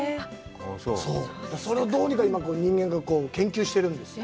それをどうにか人間に研究しているんですよ。